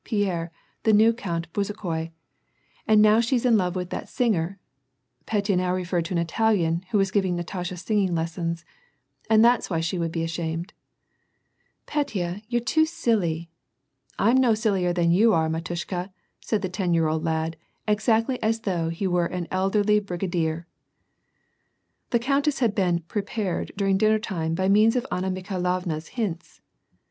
Pierre, the new Count Bezukhoi), and now she's in lore with that singer (Petya now referred to an Italian, who was giving Natasha singing lessons), and that's why she would be ashamed !"" Petya, you're too silly." " I'm no sillier than you are, mdttishka f " said the ten year old lad, exactly as though he were an elderly brigadier. The countess had been " pre])ared " during dinner time by means of Anna Mikhailovna's hints.